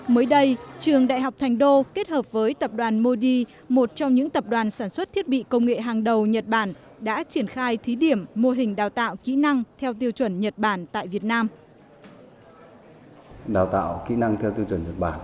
mới đây trường đại học thành đô kết hợp với các công ty nước ngoài nhằm trang bị cho người học những kỹ năng làm việc hiệu quả nhất